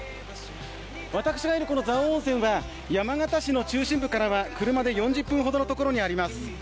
私がいるこの蔵王温泉は山形市の中心部からは車でおよそ４０分ほどの所にあります。